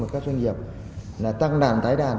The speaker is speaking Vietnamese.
và các doanh nghiệp là tăng đàn tái đàn